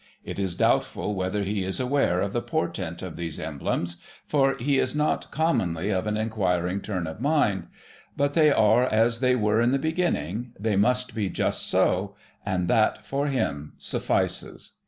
It is doubtful whether he is aware of the portent of these emblems, for he is not commonly of an inquiring turn of mind, but they are as they were in the beginning, they must be "just so," and that for him suffices.